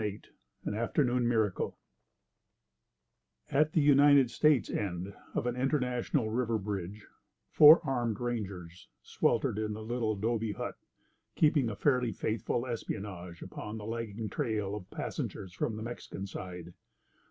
VIII AN AFTERNOON MIRACLE At the United States end of an international river bridge, four armed rangers sweltered in a little 'dobe hut, keeping a fairly faithful espionage upon the lagging trail of passengers from the Mexican side.